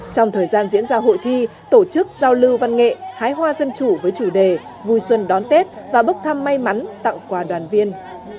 trong thời gian diễn ra hội thi tổ chức giao lưu văn nghệ hái hoa dân chủ với chủ đề vui xuân đón tết và bốc thăm may mắn tặng quà đoàn viên